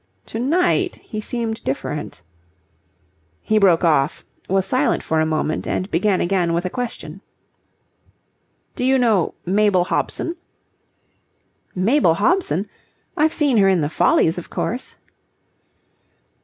To night he seemed different. He broke off, was silent for a moment, and began again with a question. "Do you know Mabel Hobson?" "Mabel Hobson? I've seen her in the 'Follies,' of course."